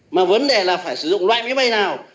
mà vấn đề là phải sử dụng loại máy bay nào